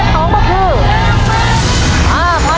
โบนัสหลังตู้หมายเลข๒ก็คือ